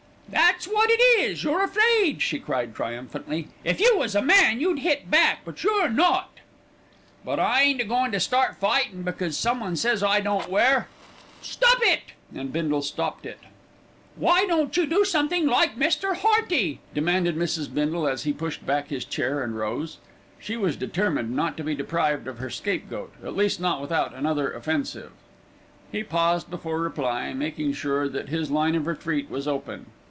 "That's what it is, you're afraid," she cried, triumphantly. "If you was a man you'd hit back; but you're not." "But I ain't a goin' to start fightin' because some one says I don't wear " "Stop it!" And Bindle stopped it. "Why don't you do something like Mr. Hearty?" demanded Mrs. Bindle, as he pushed back his chair and rose. She was determined not to be deprived of her scapegoat, at least not without another offensive. He paused before replying, making sure that his line of retreat was open.